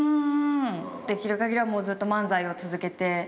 できるかぎりはもうずっと漫才を続けて。